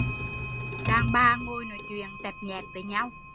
Đàn bà ngồi nói chuyện tẹp nhẹp với nhau